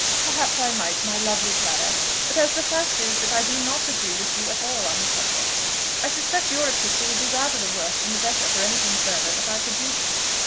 "Perhaps I might, my lovely Clara; but as the fact is that I do not agree with you at all on the subject, I suspect your epistle would be rather the worse than the better for any thing further that I could do to it."